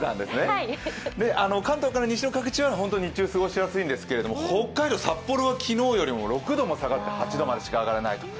関東から西の各地は本当に日中、過ごしやすいんですが北海道札幌は昨日より６度も下がって８度までしか上がらない。